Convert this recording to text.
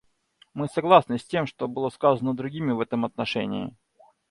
Мы согласны с тем, что было сказано другими в этом отношении.